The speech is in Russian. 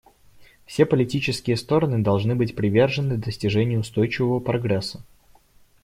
Все политические стороны должны быть привержены достижению устойчивого прогресса.